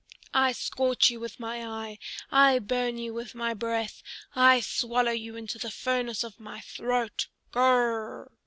I scorch you with my eye! I burn you with my breath! I swallow you into the furnace of my throat. Gr r r r!"